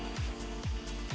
air menjadi media tanam utama